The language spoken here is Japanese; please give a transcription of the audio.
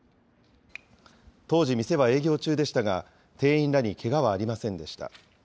当時、店は営業中でしたが、店員らにけがはありませんでした。